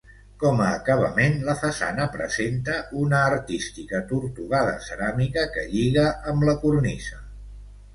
Com a acabament, la façana presenta una artística tortugada ceràmica que lliga amb la cornisa.